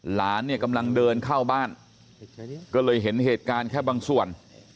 หลานเนี่ยกำลังเดินเข้าบ้านก็เลยเห็นเหตุการณ์แค่บางส่วน